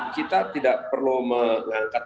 kita tidak perlu mengangkat